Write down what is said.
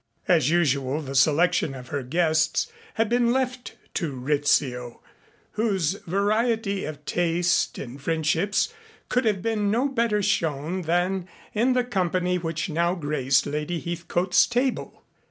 As usual the selection of her guests had been left to Rizzio, whose variety of taste in friendships could have been no better shown than in the company which now graced Lady Heathcote's table.